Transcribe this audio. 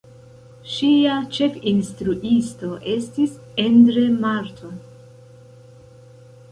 Ŝia ĉefinstruisto estis Endre Marton.